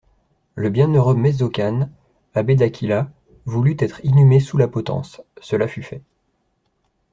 Le bienheureux Mezzocane, abbé d'Aquila, voulut être inhumé sous la potence ; cela fut fait.